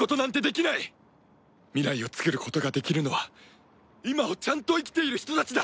未来を創ることができるのは今をちゃんと生きている人たちだ。